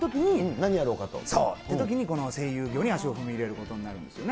何やろうかと。というときに、声優業に足を踏み入れることになるんですよね。